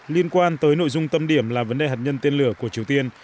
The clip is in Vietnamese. liên quan tới nội dung tâm điểm là vấn đề hạt nhân tên lửa của triều tiên